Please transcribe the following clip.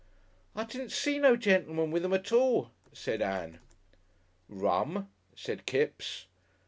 "I didn't see no gentleman with them at all," said Ann. "Rum!" said Kipps.